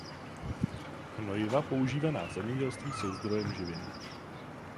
Hnojiva používaná v zemědělství jsou zdrojem živin.